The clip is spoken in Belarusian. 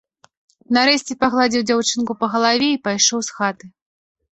Нарэшце пагладзіў дзяўчынку па галаве і пайшоў з хаты.